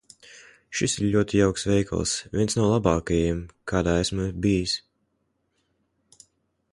Šis ir ļoti jauks veikals. Viens no labākajiem, kādā esmu bijis.